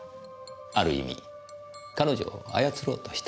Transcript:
ある意味彼女を操ろうとした。